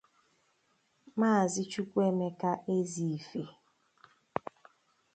maazị Chukwuemeka Ezeife